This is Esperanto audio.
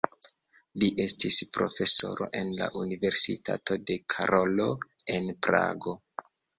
Li estis profesoro en la Universitato de Karolo en Prago.